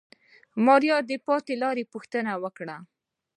ماريا د پاتې لارې پوښتنه وکړه.